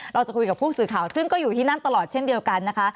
เราจะคุยกับผู้สื่อข่าวซึ่งก็อยู่ที่นั่นตลอดเช่นเดียวกันนะคะ